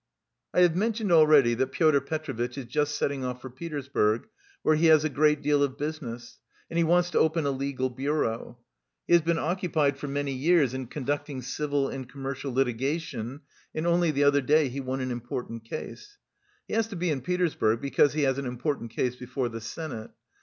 "I have mentioned already that Pyotr Petrovitch is just setting off for Petersburg, where he has a great deal of business, and he wants to open a legal bureau. He has been occupied for many years in conducting civil and commercial litigation, and only the other day he won an important case. He has to be in Petersburg because he has an important case before the Senate.